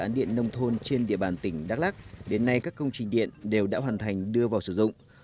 và các dự án điện nông thôn trên địa bàn tỉnh đắk lắc đến nay các công trình điện đều đã hoàn thành đưa vào sử dụng